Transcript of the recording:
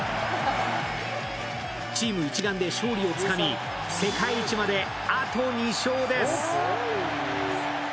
チーム一丸で勝利をつかみ世界一まであと２勝です。